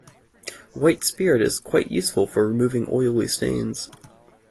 White spirit is quite useful for removing oily stains